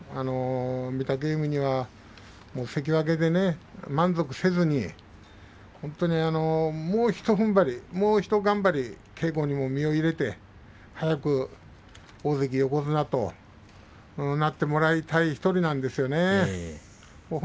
御嶽海には関脇で満足せずにもうひとふんばりもうひと頑張り稽古にも身を入れて早く大関横綱になってもらいたい１人なんですよね。